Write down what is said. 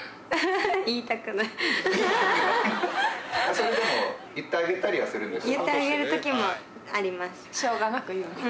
それでも言ってあげたりはするんですか？